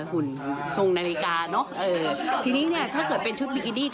หุ่นนาฬิกาเนาะอย่างการเจอการเป็นชุดบิคิดี้